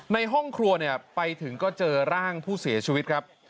ในห้องครัวเนี่ยไปถึงก็เจอร่างผู้เสียชีวิตครับ